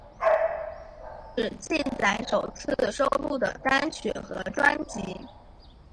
只记载首次收录的单曲和专辑。